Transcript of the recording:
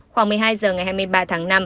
khoảng một mươi hai h ngày hai mươi ba tháng năm